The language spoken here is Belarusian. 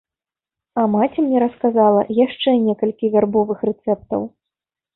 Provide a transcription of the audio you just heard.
А маці мне расказала яшчэ некалькі вярбовых рэцэптаў.